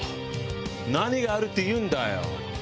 何があるっていうんだよ？